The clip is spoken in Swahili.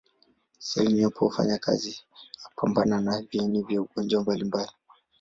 Seli nyeupe hufanya kazi ya kupambana na viini vya magonjwa mbalimbali.